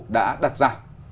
đã đặt ra